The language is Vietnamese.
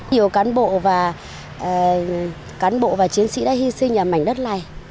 nhiều cán bộ và chiến sĩ đã hy sinh ở mảnh đất này